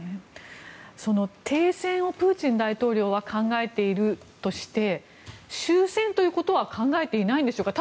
その停戦をプーチン大統領は考えているとして終戦ということは考えていないんでしょうか？